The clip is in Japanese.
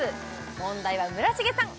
問題は村重さん